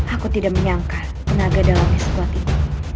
aku tidak menyangka penaga dalamnya sekuat ini